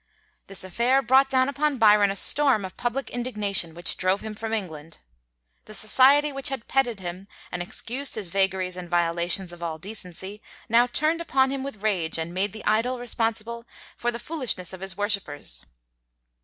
This affair brought down upon Byron a storm of public indignation which drove him from England. The society which had petted him and excused his vagaries and violations of all decency, now turned upon him with rage and made the idol responsible for the foolishness of his worshipers.